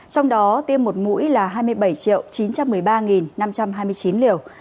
trong đó tiêm một mũi là hai mươi bảy chín trăm một mươi ba năm trăm hai mươi chín liều